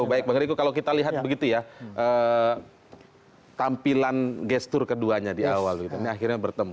baik bang riko kalau kita lihat begitu ya tampilan gestur keduanya di awal ini akhirnya bertemu